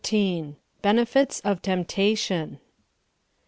XIV. BENEFITS OF TEMPTATION.